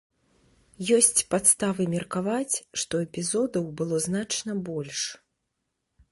Ёсць падставы меркаваць, што эпізодаў было значна больш.